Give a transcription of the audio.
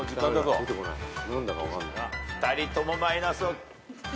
２人ともマイナスを。